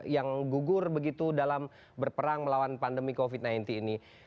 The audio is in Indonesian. yang gugur begitu dalam berperang melawan pandemi covid sembilan belas ini